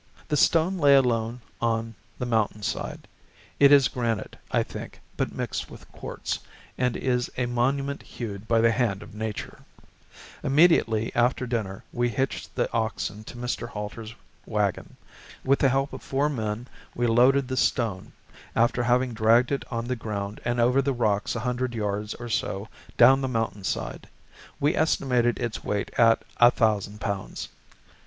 The stone lay alone on the mountain side; it is granite, I think, but mixed with quartz, and is a monument hewed by the hand of Nature. [Illustration: Chas. S. Hill Wyoming oil wells.] Immediately after dinner we hitched the oxen to Mr. Halter's wagon. With the help of four men we loaded the stone, after having dragged it on the ground and over the rocks a hundred yards or so down the mountain side. We estimated its weight at a thousand pounds.